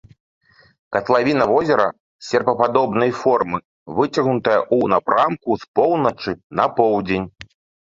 Катлавіна возера серпападобнай формы, выцягнутая ў напрамку з поўначы на поўдзень.